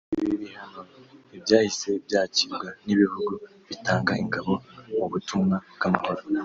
Ibi bihano ntibyahise byakirwa n’ibihugu bitanga ingabo mu butumwa bw’amahoro